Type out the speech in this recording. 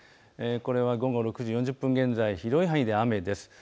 これは午後６時４０分現在、広い範囲で雨です。